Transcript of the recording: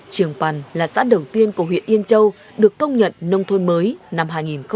trường pần là xã đầu tiên của huyện yên châu được công nhận nông thôn mới năm hai nghìn một mươi